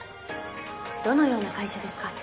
どのような会社ですか？